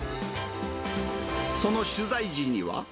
その取材時には。